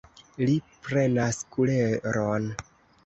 Li prenas kuleron.